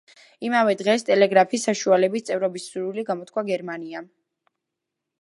იმავე დღეს, ტელეგრაფის საშუალებით, წევრობის სურვილი გამოთქვა გერმანიამ.